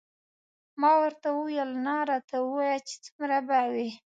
ما ورته وویل نه راته ووایه چې څومره به وي.